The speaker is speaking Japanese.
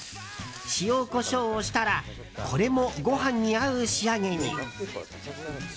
塩、コショウをしたらこれもご飯に合う仕上げに。